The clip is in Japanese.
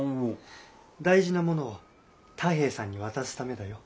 大事なものを太兵衛さんに渡すためだよ。